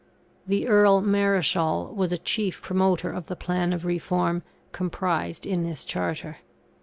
The Earl Marischal was a chief promoter of the plan of reform comprised in this charter.